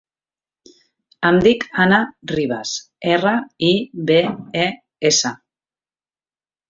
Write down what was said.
Em dic Ana Ribes: erra, i, be, e, essa.